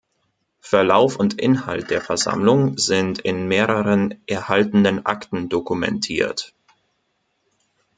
Verlauf und Inhalt der Versammlung sind in mehreren erhaltenen Akten dokumentiert.